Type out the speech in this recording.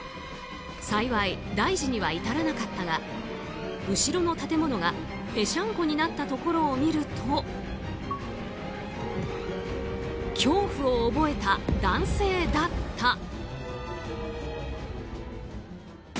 幸い大事には至らなかったが後ろの建物がぺしゃんこになったところを見ると恐怖を覚えた男性だった。